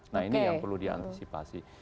nah ini yang perlu diantisipasi